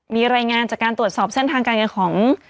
มีรายงานจากการตรวจสอบเส้นทางการเงินของ